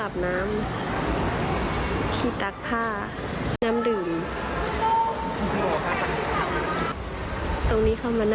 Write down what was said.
แล้วไม่ได้กินข้าวตั้งแต่เมื่อคืนแล้วนี่ตอนเช้าอ่ะ